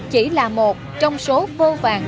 chỉ là một trong số vô vàng